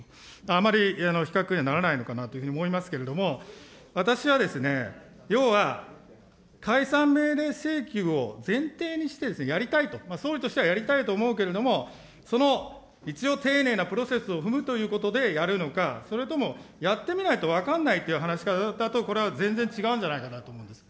あまり比較にはならないのかなと思いますけれども、私は、要は解散命令請求を前提にして、やりたいと、総理としてはやりたいと思うけれども、その一応丁寧なプロセスを踏むということでやるのか、それともやってみないと分からないという話だと、これは全然違うんじゃないかなと思うんです。